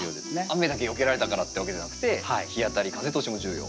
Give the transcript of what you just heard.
雨だけよけられたからってわけでなくて日当たり風通しも重要。